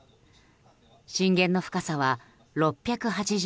震源の深さは６８２ｋｍ。